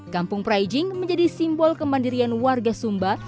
kampung praijing menjadi simbol kemandirian warga sumba